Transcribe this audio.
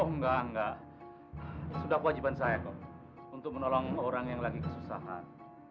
oh enggak enggak sudah kewajiban saya kok untuk menolong orang yang lagi kesusahan